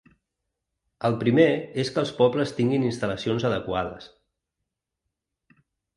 El primer és que els pobles tinguin instal·lacions adequades.